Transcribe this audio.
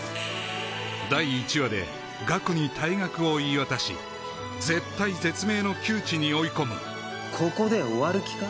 第一話で岳に退学を言い渡し絶体絶命の窮地に追い込むここで終わる気か？